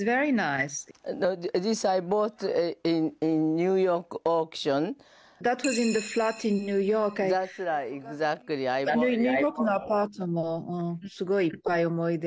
ニューヨークのアパートのすごいいっぱい思い出。